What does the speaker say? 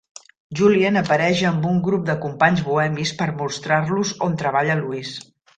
Julien apareix amb un grup de companys bohemis per mostrar-los on treballa Louise.